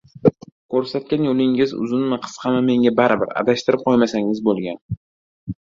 • Ko‘rsatgan yo‘lingiz uzunmi-qisqami, menga baribir — adashtirib qo‘ymasangiz bo‘lgani.